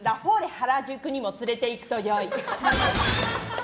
原宿にも連れていくと良い。